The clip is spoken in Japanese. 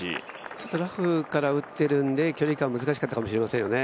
ちょっとラフから打ってるんで距離感難しかったかもしれませんね。